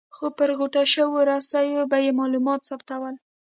خو پر غوټه شویو رسیو به یې معلومات ثبتول.